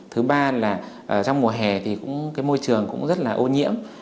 thứ ba là trong mùa hè thì cái môi trường cũng rất là ô nhiễm